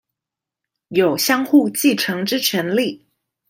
有相互繼承之權利